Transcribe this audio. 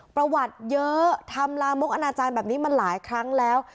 ประวัติเยอะทำลามกอนาจารย์แบบนี้มาหลายครั้งแล้ว